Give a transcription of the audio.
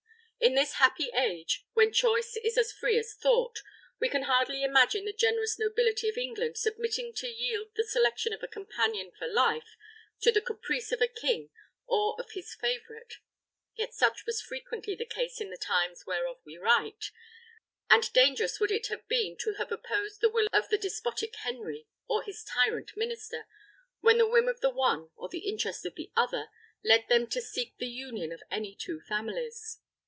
In this happy age, when choice is as free as thought, we can hardly imagine the generous nobility of England submitting to yield the selection of a companion for life to the caprice of a king or of his favourite; yet such was frequently the case in the times whereof we write; and dangerous would it have been to have opposed the will of the despotic Henry, or his tyrant minister, when the whim of the one, or the interest of the other, led them to seek the union of any two families.